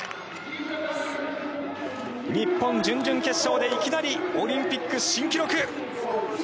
日本、準々決勝でいきなりオリンピック新記録。